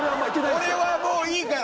俺はもういいから！